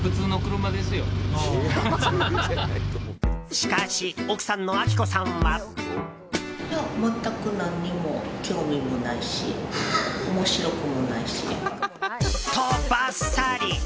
しかし奥さんの亜希子さんは。と、バッサリ！